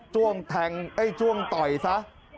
จ้วงต่อยซะ